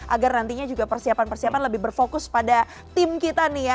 agar nantinya juga persiapan persiapan lebih berfokus pada tim kita nih ya